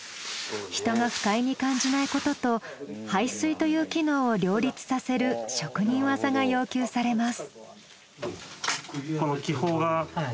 人が不快に感じないことと排水という機能を両立させる職人技が要求されます。